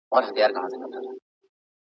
فساد د ټولني امن او امان له منځه وړي.